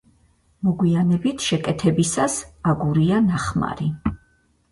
მოგვიანებით შეკეთებისას აგურია ნახმარი.